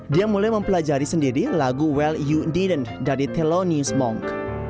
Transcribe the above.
dia mulai mempelajari sendiri lagu well you didn't dari thelonious monk